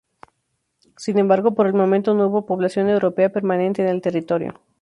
Sin embargo, por el momento no hubo población europea permanente en el territorio.